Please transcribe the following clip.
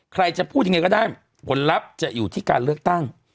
ใครจะพูดยังไงก็ได้ผลลัพธ์จะอยู่ที่การเลือกตั้ง